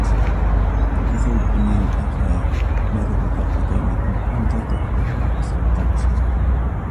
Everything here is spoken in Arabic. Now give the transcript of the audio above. مَثَلُ الدُّنْيَا وَالْآخِرَةِ مَثَلُ ضَرَّتَيْنِ إنْ أَرْضَيْت إحْدَاهُمَا أَسْخَطْت الْأُخْرَى